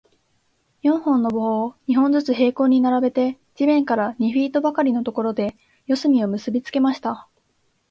四本の棒を、二本ずつ平行に並べて、地面から二フィートばかりのところで、四隅を結びつけました。